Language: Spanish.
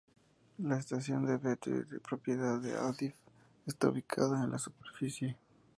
La estación de Bellvitge, propiedad de Adif, está ubicada en la superficie.